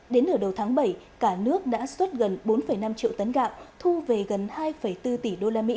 đến nửa đầu tháng bảy cả nước đã xuất gần bốn năm triệu tấn gạo thu về gần hai bốn tỷ usd